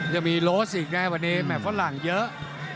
ยังมีโรสอีกนะวันนี้แม็กซ์ฝรั่งเยอะ